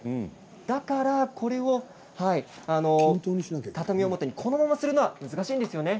だからこれを畳表にこのままするのは難しいんですよね。